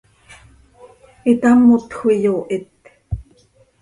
itamotjö, iyoohit.